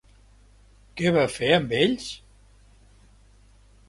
Què va fer amb ells?